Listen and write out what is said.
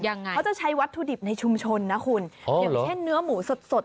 เขาจะใช้วัตถุดิบในชุมชนนะคุณอย่างเช่นเนื้อหมูสดสด